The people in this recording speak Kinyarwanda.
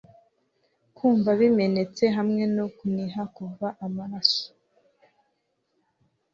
Kumva bimenetse hamwe no kuniha kuva amaraso